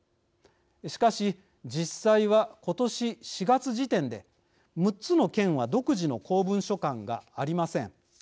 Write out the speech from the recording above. しかし、実際は今年４月時点で、６つの県は独自の公文書館がありません。